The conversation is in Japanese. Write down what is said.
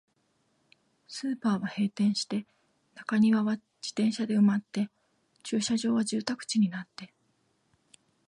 スーパーは閉店して、中庭は自転車で埋まって、駐車場は住宅地になって、